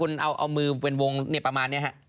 คุณเอามือเป็นวงประมาณนี้ฮะ